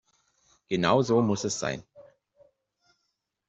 Genau so muss es sein.